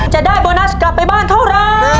จะได้โบนัสกลับไปบ้านเท่าไร